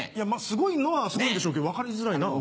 すごいのはすごいんでしょうけど分かりづらいな。